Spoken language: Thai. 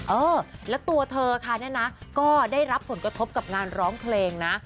เออแล้วตัวเธอก็ได้รับผลกระทบกับงานร้องเพลงนะ